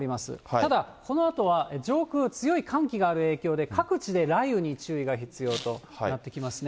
ただ、このあとは上空、強い寒気がある影響で、各地で雷雨に注意が必要となってきますね。